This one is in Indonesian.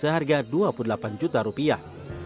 seharga dua puluh delapan juta rupiah